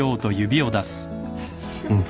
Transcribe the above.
うん。